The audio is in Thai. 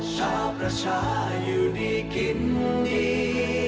อย่าพูดผลกะสิ่งเฉิน